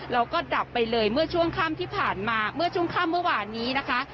แล้วก็ดับไปเลยเมื่อช่วงค่ำที่ผ่านมาเมื่อช่วงค่ำเมื่อวานนี้นะคะ